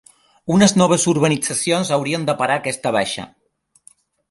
Unes noves urbanitzacions haurien de parar aquesta baixa.